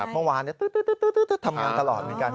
เมื่อวานทำงานตลอดเหมือนกัน